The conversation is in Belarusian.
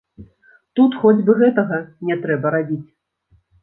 Тут хоць бы гэтага не трэба рабіць.